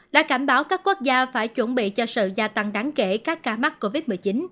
đã cảnh báo các quốc gia phải chuẩn bị cho sự gia tăng đáng kể các ca mắc covid một mươi chín